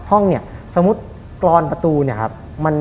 ห้องเนี่ยสมมุติกรรมประตูเนี่ย